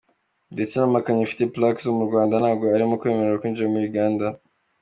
Ndetse n’amakamyo afite Plaques zo mu Rwanda ntabwo arimo kwemererwa kwinjira muri Uganda.